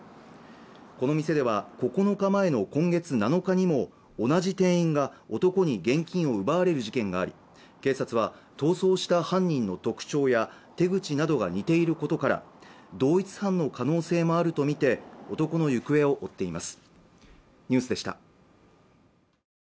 この店では９日前の今月７日にも同じ店員が男に現金を奪われる事件があり警察は逃走した犯人の特徴や手口などが似ていることから同一犯の可能性もあるとみて男の行方を追っています